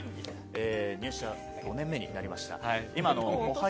入社５年目になりました。